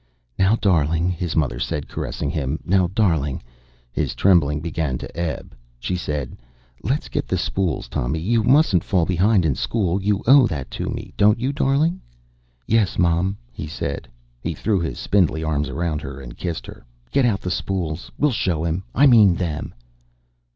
"Now, darling," his mother said, caressing him. "Now, darling." His trembling began to ebb. She said: "Let's get out the spools, Tommy. You mustn't fall behind in school. You owe that to me, don't you, darling?" "Yes, Mom," he said. He threw his spindly arms around her and kissed her. "Get out the spools. We'll show him. I mean them."